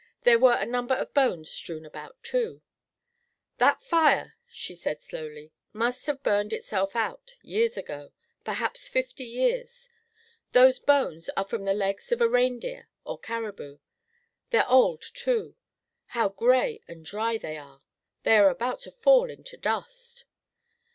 There were a number of bones strewn about, too. "That fire," she said slowly, "must have burned itself out years ago; perhaps fifty years. Those bones are from the legs of a reindeer or caribou. They're old, too. How gray and dry they are! They are about to fall into dust."